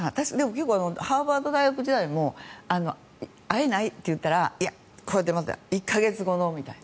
結構ハーバード大学時代も会えない？って言ったら１か月後のみたいな。